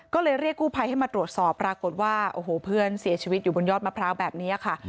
ก็เลยเรียกกู้ภัยให้มาตรวจสอบปรากฏว่าโอ้โหเพื่อนเสียชีวิตอยู่บนยอดมะพร้าวแบบนี้ค่ะ